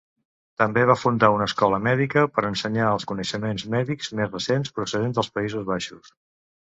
També va fundar una escola mèdica per ensenyar els coneixements mèdics més recents procedents dels Països Baixos.